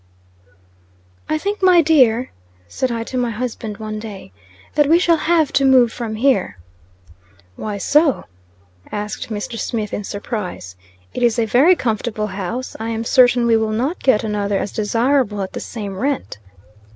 "I THINK, my dear," said I to my husband one day, "that we shall have to move from here." "Why so?" asked Mr. Smith, in surprise. "It is a very comfortable house. I am certain we will not get another as desirable at the same rent."